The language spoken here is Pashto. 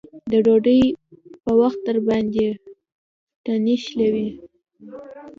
د ډوډۍ په وخت درباندې تڼۍ شلوي.